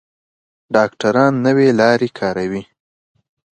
ډاکټران نوې لارې کاروي.